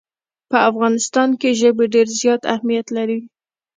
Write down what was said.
په افغانستان کې ژبې ډېر زیات اهمیت لري.